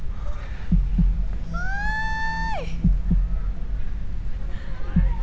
ร้องได้ให้ร้อง